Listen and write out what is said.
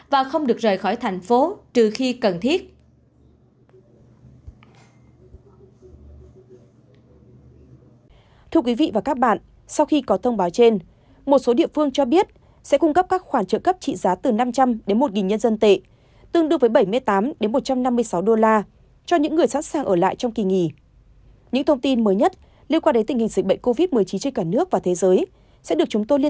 và không được rời khỏi thành phố trừ khi cần thiết